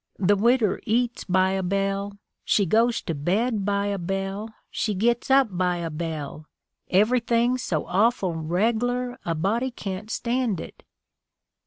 The widder eats by a bell; she goes to bed by a bell; she gits up by a bell — eyerything's so awful reg'Iar a body can't stand it."